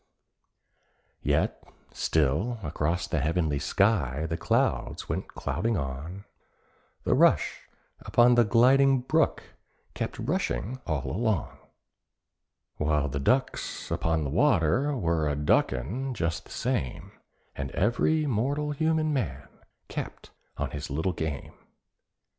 Yet still across the heavenly sky the clouds went clouding on, The rush upon the gliding brook kept rushing all alone, While the ducks upon the water were a ducking just the same, And every mortal human man kept on his little game.